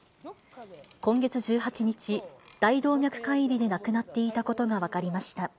今月１８日、大動脈解離で亡くなっていたことが分かりました。